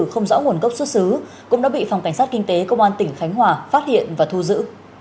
không rõ nguồn gốc xuất xứ cũng đã bị phòng cảnh sát kinh tế công an tỉnh khánh hòa phát hiện và thu giữ